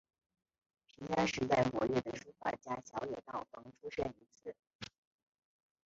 平安时代活跃的书法家小野道风出身于此。